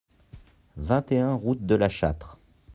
vingt et un route de La Châtre